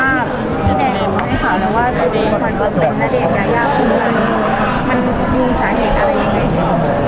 ตัวนี้คุณคนต้องเป็นนักเรียกนาฬิกระยะหุ้นอาหารมันคุกดู